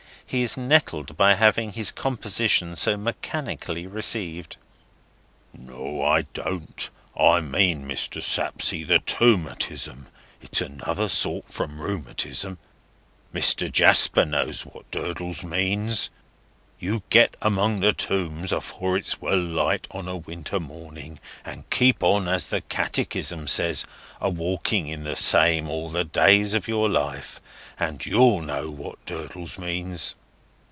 (He is nettled by having his composition so mechanically received.) "No, I don't. I mean, Mr. Sapsea, the Tombatism. It's another sort from Rheumatism. Mr. Jasper knows what Durdles means. You get among them Tombs afore it's well light on a winter morning, and keep on, as the Catechism says, a walking in the same all the days of your life, and you'll know what Durdles means."